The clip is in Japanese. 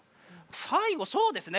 最後そうですね。